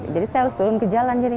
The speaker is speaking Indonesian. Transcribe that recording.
jadi saya harus turun ke jalan